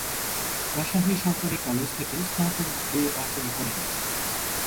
রাজশাহী সরকারি কলেজ থেকে স্নাতক ডিগ্রি অর্জন করেন।